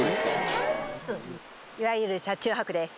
いわゆる車中泊です。